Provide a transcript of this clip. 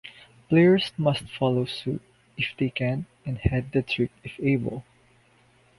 Players must follow suit if they can and head the trick if able.